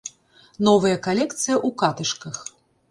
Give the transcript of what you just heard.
Новая калекцыя ў катышках!